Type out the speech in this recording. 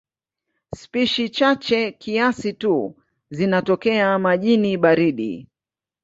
Spishi chache kiasi tu zinatokea majini baridi.